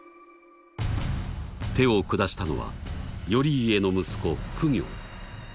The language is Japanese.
手を下したのは頼家の息子公暁。